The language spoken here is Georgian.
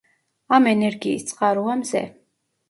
ამ ენერგიის წყაროა მზე.